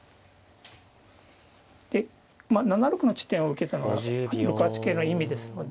でまあ７六の地点を受けたのは６八桂の意味ですので。